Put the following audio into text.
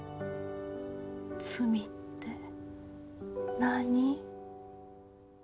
「罪」って何？